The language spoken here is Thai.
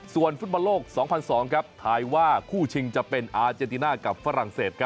ส่วนฟุตบอลโลก๒๐๐๒ถ่ายว่าคู่ชิงจะเป็นอาเจนติน่ากับฝรั่งเศส